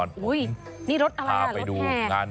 นี่รถอะไรน่ะแห้น